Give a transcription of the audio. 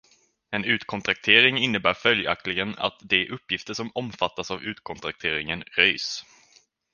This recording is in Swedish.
En utkontraktering innebär följaktligen att de uppgifter som omfattas av utkontrakteringen röjs.